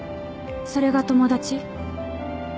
それが友達？